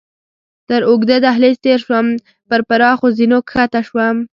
تر اوږده دهلېز تېر شوم، پر پراخو زینو کښته شوم.